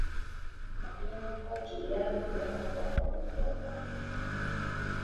A hiányokat Guglielmo della Porta pótolta.